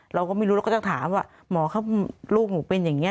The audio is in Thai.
เราก็ไม่รู้เราก็จะถามว่าหมอลูกหนูเป็นอย่างนี้